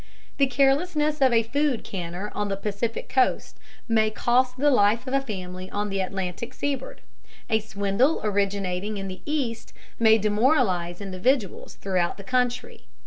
The carelessness of a food canner on the Pacific coast may cost the life of a family on the Atlantic seaboard; a swindle originating in the East may demoralize individuals throughout the country.